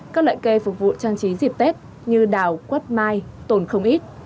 các loại cây phục vụ trang trí dịp tết như đào quất mai tồn không ít